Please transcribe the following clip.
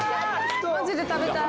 マジで食べたい。